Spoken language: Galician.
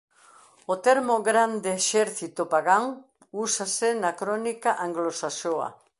O termo "Grande exército pagán" úsase na crónica anglosaxoa.